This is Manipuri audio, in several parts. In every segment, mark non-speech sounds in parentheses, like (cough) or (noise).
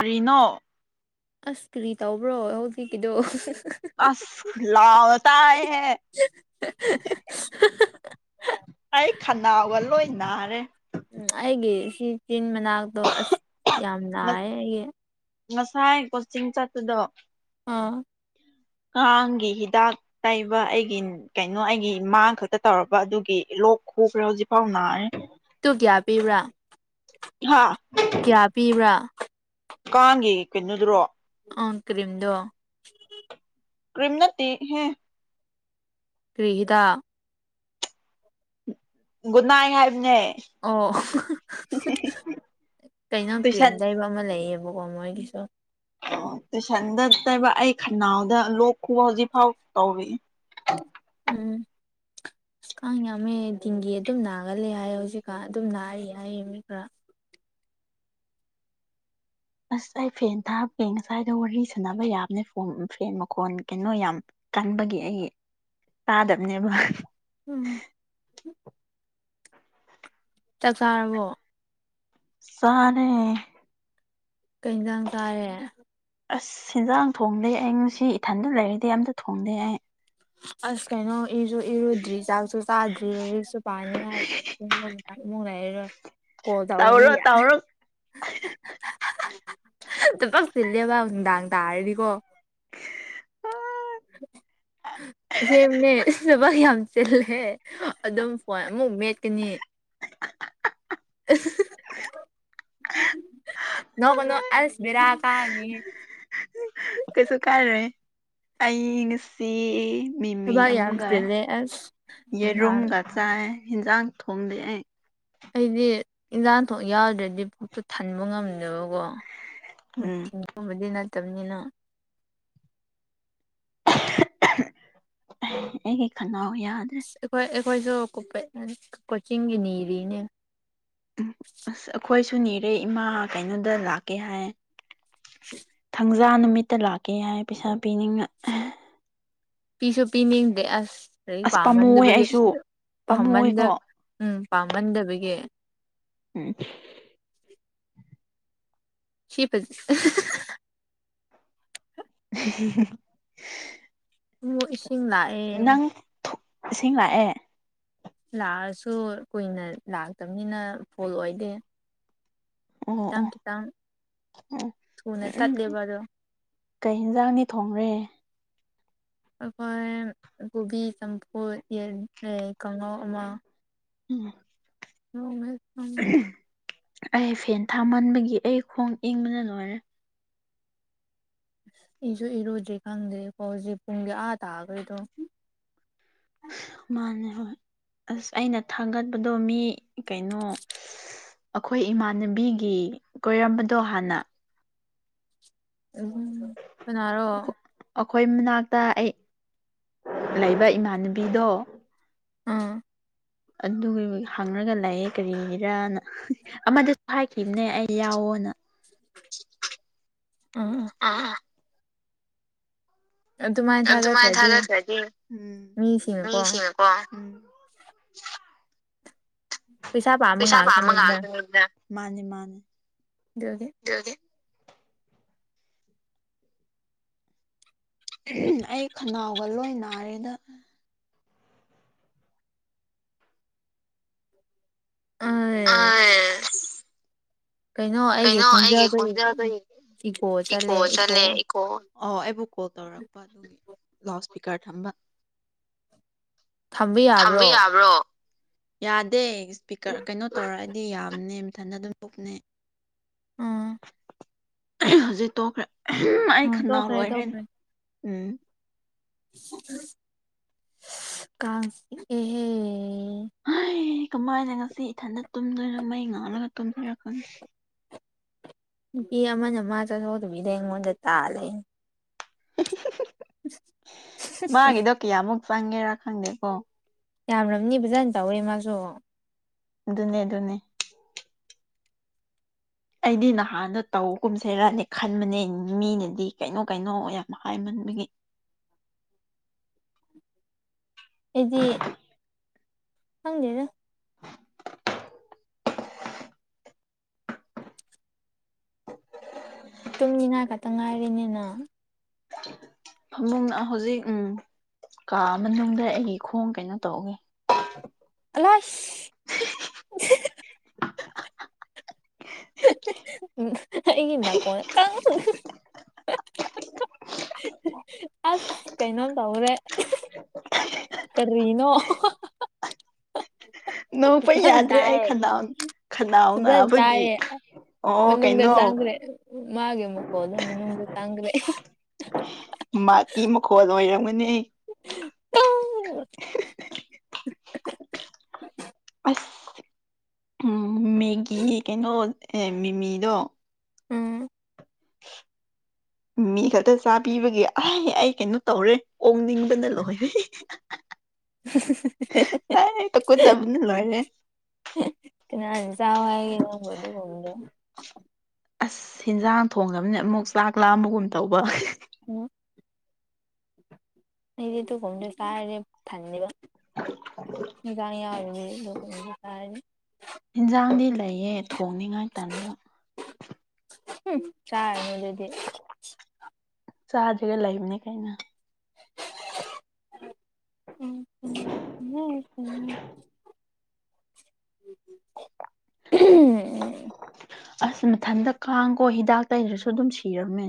ꯑꯔꯤꯅꯣ ꯑꯁ ꯀꯔꯤ ꯇꯧꯕ꯭ꯔꯣ ꯍꯧꯖꯤꯛꯀꯤꯗꯣ ꯑꯁ ꯂꯑꯣ ꯇꯑꯦ ꯑꯩ ꯈꯅꯥꯒ ꯂꯣꯏ ꯅꯥꯔꯦ ꯎꯝ ꯑꯩꯒꯤ ꯁꯤ ꯆꯤꯟ ꯃꯅꯥꯛꯇꯣ ꯑꯁ ꯌꯥꯝ ꯂꯅꯥꯑꯌꯦ ꯑꯩꯒꯤ ꯉꯁꯥꯏ ꯀꯣꯆꯤꯡ ꯆꯠꯄꯗꯣ ꯑꯥ ꯀꯥꯡꯒꯤ ꯍꯤꯗꯥꯛ ꯇꯩꯕ ꯑꯩꯒꯤ ꯀꯩꯅꯣ ꯑꯩꯒꯤ ꯏꯃꯥꯡ ꯈꯛꯇ ꯇꯧꯔꯕ ꯑꯗꯨꯒꯤ ꯂ ꯁꯨꯈꯔꯦ ꯍꯧꯖꯤ ꯄꯥꯎ ꯅꯥꯏ ꯇꯨ ꯀꯌꯥ ꯄꯤꯕ꯭ꯔꯥ ꯍꯥꯥ ꯀꯌꯥ ꯄꯤꯕ꯭ꯔꯥ ꯀꯥꯡꯒꯤ ꯀꯩꯅꯣꯗꯨꯔꯣ ꯑꯣ ꯀ꯭ꯔꯤꯝꯗꯣ ꯀ꯭ꯔꯤꯝꯅꯇ ꯍꯦ ꯀ꯭ꯔꯤꯍꯤꯗꯥ ꯒꯨꯗ ꯅꯥꯏꯠ ꯍꯥꯏꯕꯅꯦ ꯑꯣ ꯇꯨꯏꯁꯟ ꯀꯩꯩꯅꯄꯤꯦꯝꯗ ꯂꯩꯩꯕ ꯑꯃ ꯂꯩꯌꯦꯕ ꯀ ꯀꯣ ꯃꯣꯏ ꯀꯁꯣ ꯑꯣ ꯇꯨꯏꯁꯟꯗ ꯇꯕ ꯑꯩ ꯈꯅꯥꯎꯗ ꯂꯣꯛ ꯈꯨꯕ ꯍꯧꯖꯤꯛ ꯐꯥꯎ ꯇꯧꯔꯤ ꯑ ꯎꯝ ꯑꯀ ꯌꯥꯝꯃꯦ ꯗꯤꯦꯡꯒꯤ ꯑꯗꯨꯝ ꯅꯥꯒꯂ ꯍꯥꯏ ꯍꯧꯖꯤꯛꯀ ꯑꯗꯨꯝ ꯅꯥꯔꯤ ꯍꯥꯏꯌꯦ ꯃꯤ ꯈꯔ ꯑꯁ ꯑꯩ ꯐꯦꯟ ꯊꯥꯞꯄꯦ ꯉꯁꯥꯏꯗ ꯋꯥꯔꯤ ꯁꯥꯟꯅꯕ ꯌꯥꯕꯅꯦ ꯐꯣꯟ ꯐꯦꯟ ꯃꯈꯣꯟ ꯀꯩꯅꯣ ꯌꯥꯝ ꯀꯟꯕꯒꯤ ꯑꯩ ꯇꯥꯗꯕꯅꯦꯕ ꯎꯝ ꯆꯥꯛ ꯆꯥꯔꯕꯣ ꯆꯥꯔꯦ ꯀꯩ ꯏꯟꯁꯥꯡ ꯆꯥꯔꯦ ꯑꯁ ꯍꯦꯟꯖꯥꯡ ꯊꯣꯡꯗꯦ ꯑꯩ ꯉꯁꯤ ꯏꯊꯟꯗ ꯂꯩꯔꯤꯗꯤ ꯑꯝꯇ ꯊꯣꯡꯗꯦ ꯑꯩ ꯑꯁ ꯀꯩꯅꯣ ꯏꯔꯁꯨ ꯏꯔꯨꯗ꯭ꯔꯤ ꯆꯥꯛꯁꯨ ꯆꯥꯗ꯭ꯔꯤꯛꯁꯨ ꯄꯥꯅꯤ ꯍꯥꯏꯔ ꯆꯥꯛꯨꯛꯗꯔꯨꯔ (unintelligible) ꯀꯣꯜ ꯇꯧꯒꯅꯤ ꯇꯧꯔꯣ (unintelligible) ꯊꯕꯛ ꯆꯤꯜꯂꯦꯕ ꯅꯨꯡꯗꯥꯡ ꯇꯔꯅꯤꯀꯣ ꯎꯝ (unintelligible) ꯑꯅꯦ ꯏꯕ ꯌꯥꯝ ꯆꯤꯜꯂꯦ ꯑꯗꯨꯝ ꯐꯣꯟ ꯑꯃꯨꯛ ꯃꯦꯠꯀꯅꯤ (inaudible) ꯑ (unintelligible) ꯅꯃꯅꯣ ꯑꯁ ꯕꯦꯔꯥ ꯀꯥꯔꯅꯤ ꯀꯁꯨ ꯀꯥꯏꯔꯦ ꯑꯩ ꯉꯁꯤ ꯃꯤꯃꯤ ꯊꯕꯛ ꯌꯥꯝ ꯑꯃꯨꯛꯒꯑ ꯆꯤꯜꯂꯦ ꯑꯁ ꯅꯨꯡꯗꯥꯡ ꯌꯦꯔꯨꯝꯒ ꯆꯥꯏ ꯍꯦꯟꯖꯥꯡ ꯊꯣꯡꯗꯤ ꯑꯩ ꯑꯩꯗꯤ ꯏꯟꯖꯥꯡꯊ ꯌꯥꯎꯗ꯭ꯔꯗꯤ ꯄꯨꯛꯇꯨ ꯊꯟꯕ ꯉꯝꯗꯦꯕ ꯑꯣ ꯎꯝ ꯅꯨꯡꯊꯤꯟꯒꯨꯝꯕꯗꯤ ꯅꯠꯇꯕꯅꯤꯅ ꯑꯩꯒꯤ ꯈꯅꯥꯎ ꯌꯥꯗ꯭ꯔꯦ꯫ ꯑꯩꯈꯣꯏ ꯑꯩꯈꯣꯏꯁꯨ ꯀꫭꯄꯦꯠꯅꯅꯤ ꯀꯣꯆꯤꯡꯒꯤ ꯅꯤꯔꯤꯅꯦ꯫ ꯎ ꯑꯁ ꯑꯩꯈꯣꯏꯁꯨ ꯅꯤꯔꯦ ꯏꯃꯥ ꯀꯩꯅꯣꯗ ꯂꯥꯛꯀꯦ ꯍꯥꯏ꯫ (unintelligible) ꯄꯨꯖꯥ ꯅꯨꯃꯤꯠꯇ ꯂꯥꯛꯀꯦ ꯍꯥꯏ ꯄꯩꯁꯥ ꯄꯤꯅꯤꯡꯑ꯫ ꯄꯤꯁꯨ ꯄꯤꯅꯤ꯫ꯗꯦ ꯑꯁ꯫ ꯂꯩꯔꯤꯛ ꯑꯁ ꯄꯥꯝꯃꯨꯋꯦ ꯄꯥꯝꯃꯟꯗꯕꯒꯤ ꯑꯩꯁꯨ ꯄꯥꯝꯃꯨꯋꯦꯀꯣ ꯄꯥꯝꯃꯟꯗꯕ ꯎꯝ ꯄꯥꯝꯃꯟꯗꯕꯒꯤ꯫ ꯎꯝ꯫ (unintelligible) (unintelligible) ꯃꯨꯛ ꯏꯁꯤꯡ ꯂꯥꯛꯑꯦ꯫ ꯅꯪ ꯏꯁꯤꯡ ꯂꯥꯛꯑꯦ꯫ ꯂꯥꯛꯑꯁꯨ ꯀꯨꯏꯅ ꯂꯥꯛꯇꯕꯅꯤꯅ ꯐꯣꯜ ꯑꯣꯏꯗꯦ꯫ ꯑꯣ ꯑꯣ ꯈꯤꯇꯥꯡ-ꯈꯤꯇꯥꯡ ꯎꯝ ꯎꯝ ꯎ ꯀꯩ ꯍꯤꯟꯁꯥꯡꯅꯤ ꯊꯣꯡꯔꯦ꯫ ꯑꯩꯈꯣꯏ ꯀꯣꯕꯤ ꯆꯝꯐꯨꯗ ꯌꯦꯟ ꯑꯦ ꯀꯉꯧ ꯑꯃ꯫ ꯎꯝ꯫ (inaudible) (unintelligible) ꯑꯩ ꯐꯦꯟ ꯊꯥꯃꯟꯕꯒꯤ ꯑꯩ ꯈꯣꯡ ꯏꯪꯕꯅ ꯂꯣꯏꯔꯦ꯫ ꯑꯩꯁꯨ ꯏꯔꯨꯗ꯭ꯔꯤ ꯈꯪꯗ꯭ꯔꯤ ꯐꯣꯖꯤꯦ ꯄꯨꯡꯗꯤ ꯑꯥ ꯇꯥꯒ꯭ꯔꯦꯗꯣ꯫ ꯃꯥꯅꯦ ꯍꫭꯏ꯫ ꯑꯁ ꯑꯩꯅ ꯊꯥꯡꯒꯠꯄꯗꯣ ꯃꯤ ꯀꯩꯅꯣ ꯑꯩꯈꯣꯏ ꯏꯃꯥꯟꯅꯕꯤꯒꯤ ꯀꯣꯏꯔꯝꯕꯗꯣ ꯍꯥꯟꯅ꯫ ꯎꯝ ꯀꯅꯥꯔꯣ꯫ ꯑꯩꯈꯣꯏ ꯃꯅꯥꯛꯇ ꯑꯩ ꯂꯩꯕ ꯏꯃꯥꯟꯅꯕꯤꯗꯣ꯫ ꯑꯥ꯫ ꯑꯗꯨꯒꯤ ꯍꯪꯔꯒ ꯂꯩꯌꯦ ꯀꯔꯤꯒꯤꯔꯅ ꯑꯃꯗꯁꯨ ꯍꯥꯏꯈꯤꯕꯅꯦ ꯑꯩ ꯌꯥꯎ ꯑꯅ ꯑꯥ ꯑꯗꯨꯃꯥꯏꯅ ꯊꯥꯖꯈ꯭ꯔꯒꯦ ꯎꯝ ꯃꯤꯁꯤꯡꯅꯀꯣ꯫ ꯎꯝ ꯄꯥꯝꯕ ꯄꯩꯁꯥ ꯄꯥꯃ ꯉ ꯉꯥꯛꯇꯅꯤꯗꯅ ꯃꯥꯅꯦ ꯃꯥꯅꯦ ꯌꯒꯦ ꯑꯩ ꯈꯅꯥꯎꯒ ꯂꯣꯏ ꯅꯥꯔꯤꯦꯗ ꯑ ꯑ ꯀꯩꯅꯣ ꯑꯩꯒꯤ ꯈꯣꯟꯖꯗꯣꯏꯌꯦ ꯏꯀꯣ ꯆꯠꯂꯦ ꯏꯀꯣ ꯑꯣ ꯑꯩꯕꯨ ꯀꯣꯜ ꯇꯧꯔꯛꯄ ꯑꯗꯨꯒꯤ ꯂꯥꯎꯠ ꯏꯁꯄꯤꯀꯔ ꯊꯝꯕ ꯊꯝꯕ ꯌꯥꯕ꯭ꯔꯣ ꯌꯥꯗꯦ ꯏꯁꯄꯤꯀꯔ ꯀꯩꯅꯣ ꯇꯧꯔꯛꯑꯗꯤ ꯌꯥꯝꯅꯦ ꯃꯊꯟꯗ ꯑꯗꯨꯝ ꯂꯨꯞꯅꯦ ꯎꯝ ꯍꯧꯖꯤꯛ ꯇꯣꯛꯈ ꯑꯩ ꯎꯝ ꯈꯅꯥ ꯇꯣꯛꯈ꯭ꯔꯦ ꯂꯣꯏꯔꯦꯅꯦ ꯎꯝ ꯀ ꯑꯦꯍꯦ ꯍꯩ ꯀꯃꯥꯏꯅ ꯉꯁꯤ ꯏꯊꯟꯗ ꯇꯨꯝꯗꯣꯏꯅꯣ ꯃꯩ ꯉꯥꯜꯂꯒ ꯇꯨꯝꯕꯤꯔꯛꯀꯅꯤ ꯅꯨꯄꯤ ꯑꯃꯅ ꯃꯥ ꯆꯣ ꯑꯗꯨꯕꯤꯗ ꯑꯩꯉꯣꯟꯗ ꯇꯥ ꯂꯩꯦ (inaudible) (inaudible) ꯆꯥꯡꯒꯦꯔ ꯈꯥꯡꯪꯗꯦꯀꯣ ꯌꯥꯝꯕꯅꯤ ꯐꯖꯅ ꯇꯧꯋꯦ ꯃꯥꯁꯨ ꯅꯦ ꯅꯦ ꯑꯩꯗꯤ ꯅꯍꯥꯟꯗ ꯇꯧ ꯀꯨꯝꯁꯩꯔꯅꯤ ꯈꯟꯕꯅꯦ ꯃꯤꯅꯗꯤ ꯀꯩꯅꯣ ꯀꯩꯅꯣ ꯌꯥꯝ ꯍꯥꯏꯕꯅꯤ (inaudible) ꯑꯩꯗꯤ ꯐꯪꯗꯦꯔ ꯇꯨꯝꯅꯤꯅꯥꯏ ꯈꯛꯇ ꯉꯥꯏꯔꯤꯦꯅꯦꯅ ꯐꯃꯨꯡ ꯍꯧꯖꯤꯛ ꯎꯝ ꯀꯥ ꯃꯅꯨꯡꯗ ꯑꯩꯒꯤ ꯈꯣꯡ ꯀꯩꯅꯣ ꯇꯧꯒꯦ ꯑꯂꯥꯁ ꯏ ꯏ ꯐꯣ ꯀ (inaudible) ꯑꯁ ꯀꯩꯅꯣꯝ ꯇꯧꯔꯦ ꯀꯔꯤꯅꯣ ꯅꯣꯛꯄ ꯌꯥꯗ꯭ꯔꯦ ꯑꯩ ꯈꯅꯥꯎ ꯈꯅꯥꯎ ꯇꯑꯗ ꯅꯥꯕꯒꯤ ꯇꯌꯦ ꯑꯣ ꯃꯅꯨꯡꯗ ꯀꯩꯅꯣ ꯆꯥꯡꯈ꯭ꯔꯦ ꯃꯥꯒꯤ ꯃꯨꯀꯣ ꯑꯗꯨꯣ ꯃꯅꯨꯡꯗ ꯆꯥꯡꯈ꯭ꯔꯦ ꯃꯥꯀꯤ ꯃꯈꯣꯜ ꯑꯣꯏꯔꯝꯒꯅꯤ ꯍ (unintelligible) ꯑꯁ ꯎꯝ ꯃꯦꯒꯤ ꯀꯩꯅꯣ ꯑꯦ ꯃꯤꯃꯤꯗꯣ ꯎꯝ ꯃꯤꯃꯤ ꯈꯛꯇ ꯆꯥ ꯄꯤꯕꯒꯤ ꯑꯩ ꯀꯩꯅꯣ ꯇꯧꯔꯦ ꯑꯣꯛꯅꯤꯡꯕꯅ ꯂꯣꯏꯔꯦ ꯑ ꯀꯀꯣꯏ ꯆꯕꯅ ꯂꯔꯦ ꯟ ꯆꯥ ꯍꯥꯏꯏꯒꯅꯗꯨ ꯍꯗ ꯑꯁ ꯍꯟꯖꯥꯡ ꯊꯣꯡꯉꯅꯤꯅ ꯑꯃꯨꯛ ꯆꯥꯛ ꯂꯥꯝꯕꯒꯨꯝ ꯇꯧꯕ ꯎꯝ ꯑꯩꯗꯤꯣ ꯀꯨꯝꯗ ꯆꯥꯏꯦ ꯊꯥꯟꯗꯕ ꯑꯣꯏ ꯂ ꯇ ꯏꯟꯁꯥꯡꯗꯤ ꯂꯩꯌꯦ ꯊꯣꯡꯅꯤꯉꯥꯏ ꯇꯟꯥꯟꯕ ꯆꯥꯏ ꯃꯗꯤ ꯆꯍꯥꯖꯒ ꯂ ꯂꯩꯕꯅꯦ ꯀꯥꯏꯅ ꯎ ꯎꯝ ꯑꯁ ꯃꯊꯟꯇ ꯀꯥꯡꯈꯣ ꯍꯤꯗꯥꯛ ꯇꯩꯗ꯭ꯔꯁꯨ ꯑꯗꯨꯝ ꯁꯤꯔꯝꯃꯦ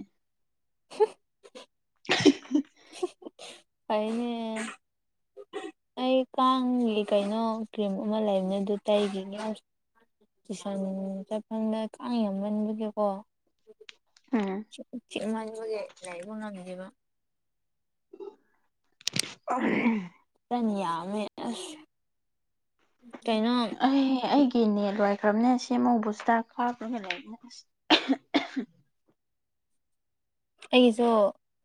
(unintelligible) (unintelligible) ꯑꯥꯏꯅꯦ ꯑꯩ ꯀꯥꯡꯒꯤ ꯀꯩꯅꯣ ꯀ꯭ꯔꯤꯝ ꯑꯃ ꯂꯩꯕꯅꯦ ꯑꯗꯨ ꯇꯩꯈꯤꯅꯦ ꯇꯨꯏꯁ ꯆꯠꯐꯝꯪꯗ ꯀꯥꯡ ꯌꯥꯝꯃꯟꯕꯒꯦꯀꯣ ꯑꯥ ꯁ‌ꯦꯡꯃꯟꯕꯒꯤ ꯂꯩꯏꯕ ꯉꯝꯗꯤꯕ ꯐꯖꯅ ꯌꯥꯃꯦ ꯑꯁ ꯀꯩꯅꯣ ꯑꯩ ꯑꯩꯒ ꯀꯤ ꯅꯦꯠ ꯂꯣꯏꯥꯏꯈ꯭ꯔꯕꯅꯦ ꯉꯁꯤꯃꯥ ꯕꯨꯁꯇꯔ ꯍꯞꯈ꯭ꯔꯅꯦ ꯂꯧꯕꯅꯦ ꯑꯩꯒꯤꯁꯨ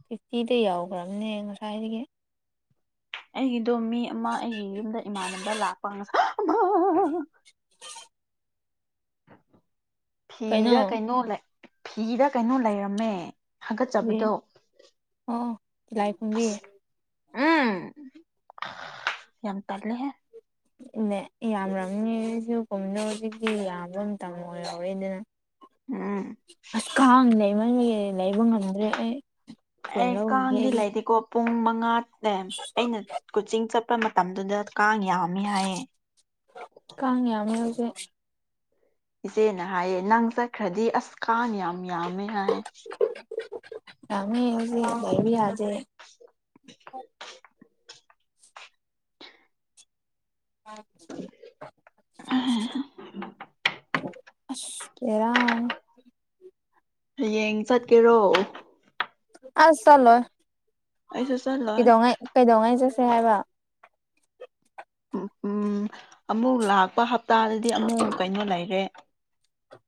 ꯐꯤꯐꯇꯤꯗ ꯌꯥꯎꯈ꯭ꯔꯕꯅꯦ ꯉꯁꯥꯏꯗꯒꯤ ꯑꯩꯒꯤꯗꯣ ꯃꯤ ꯑꯃ ꯑꯩꯒꯤ ꯌꯨꯝꯗ ꯏꯃꯥꯟꯅꯕ ꯂꯥꯛꯄ ꯉꯁꯥꯏ ꯍ (unintelligible) ꯐꯤꯗ ꯀꯩꯅꯣ ꯐꯤꯗ ꯀꯩꯅꯣ ꯂꯩꯔꯝꯃꯦ ꯍꯥꯒꯠꯆꯕꯗꯣ ꯑꯣ ꯇꯤꯂꯥꯏ ꯈꯨꯝꯕꯤ ꯎꯝ ꯌꯥꯝ ꯇꯜꯂꯦ ꯍ‌ꯦ ꯌꯥꯝꯔꯅꯤ ꯑꯩꯁꯨ ꯀꯨꯝꯗ ꯍꯧꯖꯤꯛꯇꯤ ꯌꯥꯝꯕ ꯃꯇꯝ ꯑꯣꯏꯍꯧꯔ‌ꯦ ꯑꯗꯨꯅ ꯎꯝ ꯑꯁ ꯀꯥꯡ ꯂꯩꯃꯟꯒꯤ ꯂꯩꯕ ꯉꯝꯗ꯭ꯔꯦ ꯑꯩ ꯁꯦꯟ ꯑꯦ ꯂꯧꯈꯤꯒꯦ ꯀꯥꯡꯗꯤ ꯑꯩꯒꯤ ꯂꯩꯇ‌ꯦꯀꯣ ꯄꯨꯡ ꯃꯉꯥꯗ ꯑꯩꯅ ꯀꯣꯆꯤꯡ ꯆꯠꯄ ꯃꯇꯝꯗꯨꯗ ꯀꯥꯡ ꯄ ꯌꯥꯃꯤ ꯌꯥꯏꯌ‌ꯦ ꯑ (unintelligible) ꯏꯆꯦꯅ ꯍꯥꯏꯌꯦ ꯅꯪꯆꯠꯈ꯭ꯔꯗꯤ ꯑꯁ ꯀꯥꯡ ꯌꯥꯝ ꯌꯥꯝꯃꯦ ꯍꯥꯏ ꯀꯃꯦꯁꯤ ꯂꯩꯕꯤꯖꯦ (unintelligible) ꯑ (inaudible) ꯑꯁ ꯕ‌ꯦꯔꯥꯅꯤ ꯍꯌꯦꯡ ꯆꯠꯀꯦꯔꯣ ꯑꯁ ꯆꯛꯂꯣꯏ ꯑꯩꯁꯨ ꯆꯠꯂꯣꯏ ꯀꯩꯗꯧꯉꯥꯏ ꯀꯩꯗꯉꯥꯏ ꯆꯠ ꯀꯩ ꯍꯥꯏꯕ ꯎꯝ ꯎꯝ ꯑꯃꯨꯛ ꯂꯥꯛꯄ ꯍꯞꯇꯥꯗꯗꯤ ꯑꯃꯨꯛ ꯀꯩꯅꯣ ꯂꯩꯔꯦ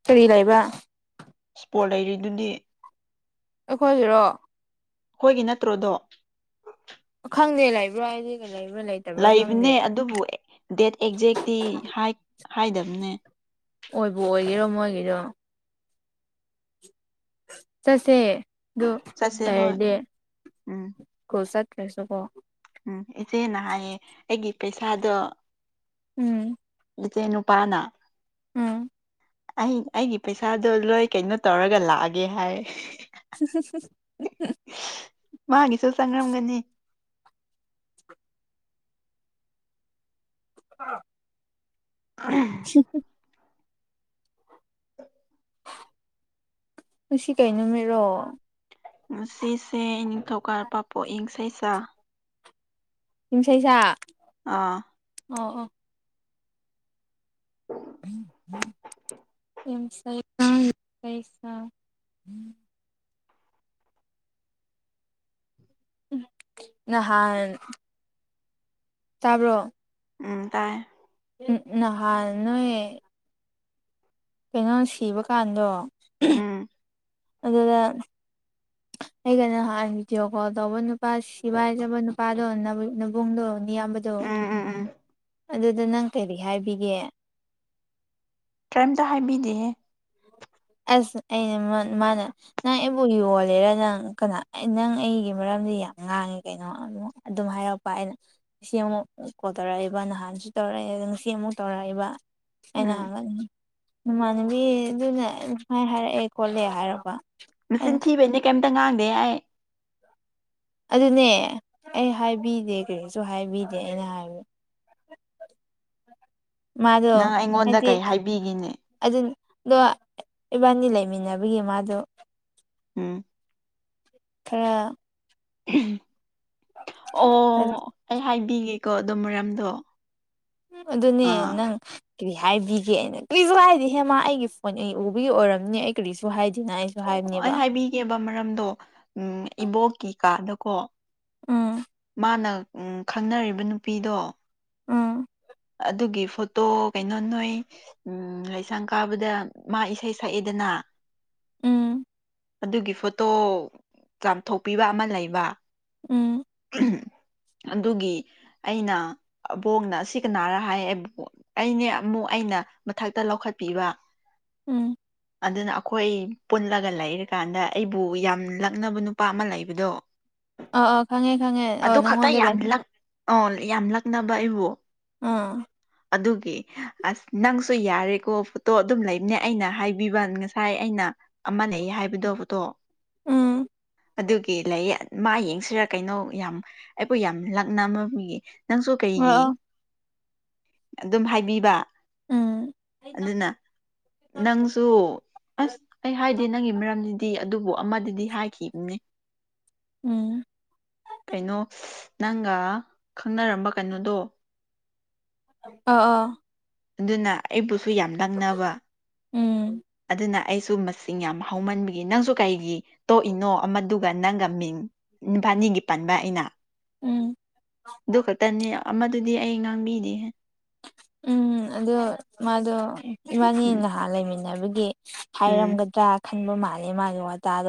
ꯀꯔꯤ ꯂꯩꯕ ꯏꯁꯄꯣꯠ ꯂꯩꯔꯤꯗꯨꯗꯤ ꯑꯩꯈꯣꯏꯒꯤꯔꯣ ꯑꯩꯈꯣꯏꯒꯤ ꯅꯠꯇ꯭ꯔꯣꯑꯗꯣ ꯈꯪꯗꯦ ꯂꯩ ꯂꯩꯕꯅꯦ ꯑꯗꯨꯕꯨ ꯗꯦꯠ ꯑꯦꯛꯖꯦꯛꯇꯤ ꯍꯥꯏ ꯍꯥꯏꯗꯕꯅꯦ ꯑꯣꯏꯕꯨ ꯑꯣꯏꯒꯔꯣ ꯃꯣꯏꯒꯤꯗꯣ ꯆꯠꯁꯦ ꯑꯗꯨ ꯆꯠꯁꯦ ꯍꯣꯏ ꯂꯩꯔꯗꯤ ꯎꯝ ꯏꯁꯀꯨꯜ ꯆꯠ ꯠꯇ꯭ꯔꯦꯁꯨ ꯀꯣ (unintelligible) ꯎꯝ ꯏꯆꯦꯅ ꯍꯥꯏꯌꯦ ꯑꯩꯒꯤ ꯄꯩꯁꯥꯗꯣ ꯎꯝ ꯃꯩꯇꯩ ꯅꯨꯄꯥꯅ ꯎꯝ ꯑꯩ ꯑꯩꯒꯤ ꯄꯩꯁꯥꯗꯣ ꯂꯣꯏ ꯀꯩꯅꯣ ꯇꯧꯔꯒ ꯂꯥꯛꯑꯒꯦ ꯍꯥꯏ (unintelligible) ꯃꯥꯒꯤꯁꯨ ꯆꯪꯉꯝꯒꯅꯤ ꯑꯥ (unintelligible) ꯁꯤꯄ (unintelligible) ꯉꯁꯤ ꯀꯩ ꯅꯨꯃꯤꯠꯔꯣ ꯉꯥꯁꯤꯁꯦ ꯅꯤꯡꯊꯧ ꯀꯥꯕ (unintelligible) ꯄꯣꯛꯏꯪ ꯁ‌ꯦꯁꯥ ꯍꯁꯩꯁꯥ (unintelligible) ꯑꯥ ꯑꯣ ꯑꯣ ꯎꯝ ꯎꯝ ꯑ ꯁ ꯄꯩꯁ ꯅꯍꯥꯟ ꯇꯥꯕ꯭ꯔꯣ ꯎꯝ ꯇꯥꯏ ꯎ ꯅꯍꯥꯟ ꯅꯣꯏꯑꯦ ꯀꯩꯅꯣ ꯁꯤꯕ ꯀꯥꯟꯗꯣ ꯎꯝ ꯑꯗꯨꯗ ꯑꯩꯒꯩꯅ ꯅꯍꯥꯟ ꯚꯤꯗꯤꯑꯣ ꯀꯣꯜ ꯇꯧꯕ ꯅꯨꯄꯥ ꯁꯤꯚꯥꯏꯖꯕ ꯅꯨꯄꯥꯗꯣꯕꯨꯡꯗꯣ ꯑꯌꯥꯝꯕꯗꯣ ꯎꯝ ꯎꯝ ꯎꯝ ꯑꯗꯨꯗ ꯅꯪ ꯀꯔꯤꯔꯤ ꯍꯥꯏꯕꯤꯒꯦ ꯀꯔꯤꯝꯇ ꯍꯥꯏꯕꯤꯗꯦꯦ ꯑꯁ ꯑꯩꯅ ꯃꯥꯅ ꯅꯪ ꯑꯩꯕꯨ ꯌꯣꯜꯂꯦꯔ ꯅꯪ ꯀꯅꯥ ꯅꯪ ꯑꯩꯒꯤ ꯃꯔꯝ ꯌꯥꯝ ꯉꯥꯡꯉꯤ ꯀꯩꯅꯣ ꯑꯗꯨꯝ ꯍꯥꯏꯔꯛꯄ ꯑꯩꯅ ꯉ ꯑꯃꯨꯛ ꯀꯣꯜ ꯇꯧꯔꯛꯏꯕ ꯅꯍꯥꯟꯁꯨ ꯇ ꯇꯧꯔꯛꯑꯦꯗꯣ ꯉꯁꯤ ꯑꯃꯨꯛ ꯇꯧꯔꯛꯏꯕ ꯑꯩꯅ ꯎꯝ ꯍꯪꯒꯠꯅꯤꯡ ꯅꯃꯥꯟꯅꯕꯤ ꯑꯗꯨꯅ ꯁ ꯍꯥꯏꯥꯏ ꯍꯥꯏꯔꯛꯑꯦ ꯈꯣꯠꯂꯦ ꯍꯥꯏꯔꯛꯔꯕ ꯃꯆꯤꯟ ꯊꯤꯕꯩꯅꯦ ꯀꯩꯝꯇ ꯉꯥꯡꯗꯦ ꯌꯥ ꯑꯗꯨꯅꯦ ꯑꯩ ꯍꯥꯏꯕꯤꯗꯦ ꯀꯔꯤꯁꯨ ꯍꯥꯏꯕꯤꯗꯦ ꯑꯩꯅ ꯍꯥꯏꯕ (inaudible) ꯃꯥꯗꯣ ꯅꯪ ꯑꯩꯉꯣꯟꯗ ꯍꯥꯏꯗꯤ ꯀꯩ ꯍꯥꯏꯕꯤꯒꯤꯅꯦ ꯑꯗꯨ ꯑꯗꯣ ꯏꯕꯥꯅꯤ ꯂꯩꯃꯤꯟꯅꯕꯒꯤ ꯃꯥꯗꯣ ꯎꯝ ꯈꯔ ꯑꯣ ꯑꯩ ꯍꯥꯏꯕꯤꯒꯦꯀꯣ ꯑꯗꯨ ꯃꯔꯝꯗꯣ ꯑꯗꯨꯅꯦ ꯑꯥ ꯅꯪ ꯀꯔꯤ ꯍꯥꯏꯕꯤꯒꯦ ꯑꯩꯅ ꯀꯔꯤꯁꯨ ꯍꯥꯏꯗꯤꯦ ꯍꯦꯃ ꯑꯩꯒꯤ ꯐꯣꯟ ꯑꯩ ꯎꯕꯒꯤ ꯑꯣꯏꯔꯝꯅꯤ ꯑꯩ ꯀꯔꯤꯁꯨ ꯍꯥꯏꯗꯦꯅ ꯑꯩ ꯑꯩ ꯍꯥꯏꯕꯤꯒꯦꯕ ꯃꯔꯝꯗꯣ ꯎꯝ ꯏꯕꯣꯛꯀꯤ ꯀꯥꯗꯀꯣ ꯑꯥ ꯃꯥꯥꯟꯅ ꯎꯝ ꯈꯪꯅꯔꯤꯕ ꯅꯨꯄꯤꯗꯣ ꯎꯝ ꯑꯗꯨꯒꯤ ꯐꯣꯇꯣ ꯀꯩꯅꯣ ꯅꯣꯏ ꯎꯝ ꯂꯩꯁꯥꯡ ꯀꯥꯕꯗ ꯃꯥ ꯏꯁꯩ ꯁꯛꯑꯦꯗ ꯅꯥ ꯎꯝ ꯑꯗꯨꯒꯤ ꯐꯣꯇꯣ ꯆꯥꯝꯊꯣꯛꯄꯤꯕ ꯑꯃ ꯂꯩꯕ ꯎꯝ (unintelligible) ꯑꯗꯨꯒꯤ ꯑꯩꯅ ꯑꯕꯣꯛꯅ ꯁꯤ ꯀꯅꯥꯔ ꯍꯥꯏꯕ ꯑꯩꯅꯦ ꯑꯃꯨ ꯑꯩꯅ ꯃꯊꯛꯇ ꯂꯧꯈꯠꯄꯤꯕ ꯎꯝ ꯑꯗꯨꯅ ꯑꯩꯈꯣꯏ ꯄꯨꯜꯂꯒ ꯂꯩꯔꯀꯥꯟꯗ ꯑꯩꯕꯨ ꯌꯥꯝ ꯂꯛꯅꯕ ꯅꯨꯄꯥ ꯑꯃ ꯂꯩꯕꯗꯣ ꯑꯥ ꯑꯗꯨ ꯈꯛꯇ ꯌꯥꯝꯂꯛ ꯑ ꯌꯥꯝ ꯂꯛꯅꯕ ꯑꯩꯕꯨ ꯑꯥ ꯑꯗꯨꯒꯤ ꯑꯁ ꯅꯪꯁꯨ ꯌꯥꯔꯦꯀꯣ ꯐꯣꯇꯣ ꯑꯗꯨꯝ ꯂꯩꯕꯅꯦ ꯑꯩꯅ ꯍꯥꯏꯕꯤꯕ ꯉꯁꯥꯏ ꯑꯩꯅ ꯑꯃꯂꯩ ꯍꯥꯏꯕꯗꯧ ꯐꯣꯇꯣ ꯎꯝ ꯑꯗꯨꯒꯤ ꯂꯩ ꯃꯥ ꯌꯦꯡꯁꯤꯔ ꯀꯩꯅꯣ ꯌꯥꯝ ꯑꯩꯕꯨ ꯌꯥꯝ ꯂꯛꯅꯃꯟꯕꯒꯤ ꯅꯪꯁꯨ ꯑꯣ ꯀꯩꯒꯤ ꯑꯣ ꯑꯗꯨꯝ ꯍꯥꯏꯕꯤꯕ ꯎꯝ ꯑꯗꯨꯅ ꯅꯪꯁꯨ ꯑꯁ ꯑꯩ ꯍꯥꯏꯗꯦ ꯅꯪꯒꯤ ꯃꯔꯝꯗꯗꯤ ꯑꯗꯨꯕꯨ ꯑꯃꯗꯗꯤ ꯍꯥꯏꯈꯤ (unintelligible) ꯎꯝ ꯀꯩꯅꯣ ꯅꯪꯒ ꯈꯪꯅꯔꯝꯕ ꯀꯩꯅꯣꯗꯣ ꯑ ꯑ ꯑꯗꯨꯅ ꯑꯩꯕꯨꯁꯨ ꯌꯥꯝ ꯂꯛꯅꯕ ꯎꯝ ꯑꯗꯨꯅ ꯑꯩꯁꯨ ꯃꯁꯤꯡ ꯌꯥꯝ ꯍꯧꯃꯟꯕꯒꯤ ꯅꯪꯁꯨ ꯀꯩꯒꯤ ꯇꯣꯛꯏꯅꯣ ꯑꯃꯗꯨꯒ ꯅꯪꯒ ꯃꯤꯡ ꯅꯨꯄꯥꯅꯤꯒꯤ ꯄꯟꯕ ꯑꯩꯅ ꯎꯝ ꯑꯗꯨ ꯈꯛꯇꯅꯤ ꯑꯗꯨꯗꯤ ꯑꯩ ꯉꯥꯡꯕꯤꯗꯦꯍꯦ ꯎꯝ ꯑꯗꯨ ꯃꯥꯗꯣ ꯏꯕꯥꯅꯤ ꯎꯝ ꯅꯍꯥꯟ ꯂꯩꯃꯤꯟꯅꯕꯒꯤ ꯎꯝ ꯍꯥꯏꯔꯝꯒꯗ꯭ꯔꯥ ꯈꯟꯕ ꯃꯥꯜꯂꯦ ꯃꯥꯒꯤ ꯋꯥꯇꯥꯗꯣ